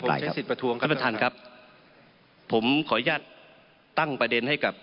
ผมใช้สิทธิประท้วงท่านประธานครับผมขออนุญาตตั้งประเด็นให้กับ